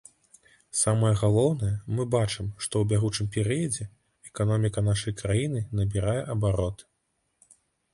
Самае галоўнае, мы бачым, што ў бягучым перыядзе эканоміка нашай краіны набірае абароты.